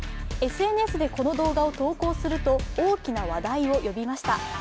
ＳＮＳでこの動画を投稿すると大きな話題を呼びました。